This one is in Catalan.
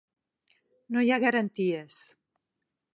No hi ha garanties.